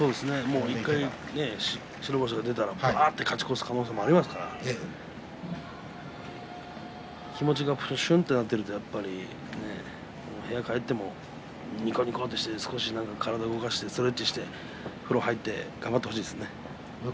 １回、白星が出たら勝ち越すこともありますから気持ちがしゅんとなっていると部屋に帰ってもにこにことして少し体を動かしてストレッチして風呂に入って頑張ってほしいですね。